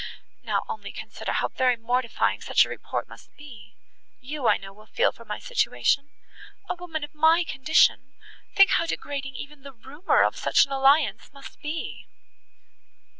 Now only consider how very mortifying such a report must be! You, I know, will feel for my situation. A woman of my condition!—think how degrading even the rumour of such an alliance must be."